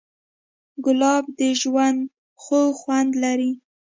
ګلاب د ژوند خوږ خوند لري.